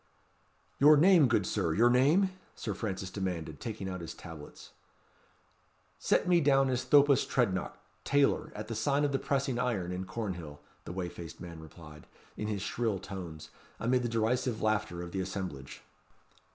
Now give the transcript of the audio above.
"Your name, good Sir, your name?" Sir Francis demanded, taking out his tablets. "Set me down as Thopas Trednock, tailor, at the sign of the Pressing Iron, in Cornhill," the whey faced man replied, in his shrill tones, amid the derisive laughter of the assemblage.